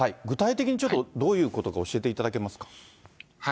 具体的にちょっと、どういうことか教えていただけますか。